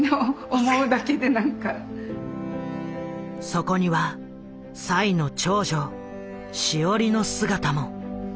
そこには栽の長女志織の姿も。